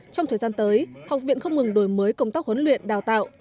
trong thời gian tới học viện không ngừng đổi mới công tác huấn luyện đào tạo